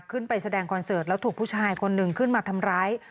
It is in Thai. แสดงคอนเสิร์ตแล้วถูกผู้ชายคนหนึ่งขึ้นมาทำร้าย